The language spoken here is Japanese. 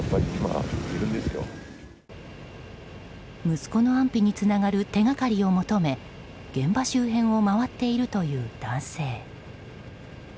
息子の安否につながる手がかりを求め現場周辺を回っているという男性。